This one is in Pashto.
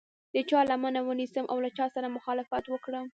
د چا لمنه ونیسم او له چا سره مخالفت وکړم.